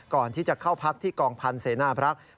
ก่อนที่จะเข้าพักที่กองพันธุ์เซนาพระพรรค